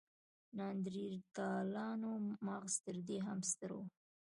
د نایندرتالانو مغز تر دې هم ستر و.